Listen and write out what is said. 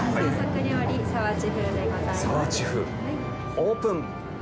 オープン！